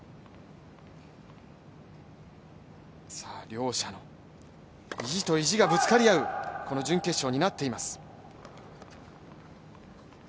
両者の意地と意地がぶつかり合う準決勝になっています。